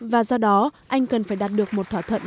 và do đó anh cần phải đạt được một thỏa thuận